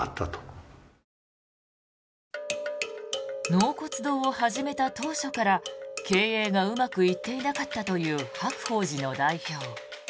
納骨堂を始めた当初から経営がうまくいっていなかったという白鳳寺の代表。